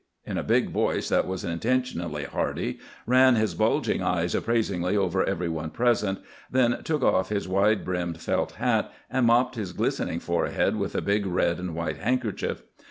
in a big voice that was intentionally hearty, ran his bulging eyes appraisingly over every one present, then took off his wide brimmed felt hat and mopped his glistening forehead with a big red and white handkerchief.